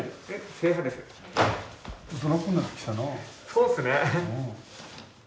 そうですね。